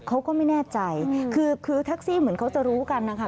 เขาก็ไม่แน่ใจคือคือแท็กซี่เหมือนเขาจะรู้กันนะคะ